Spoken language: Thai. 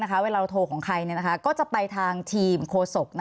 แล้วเวลาโทรของใครก็จะไปทางทีมโคโศกฯ